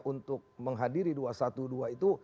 untuk menghadiri dua ratus dua belas itu